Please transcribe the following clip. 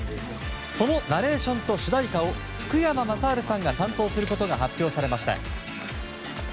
そのナレーションと主題歌を福山雅治さんが担当することが発表されました。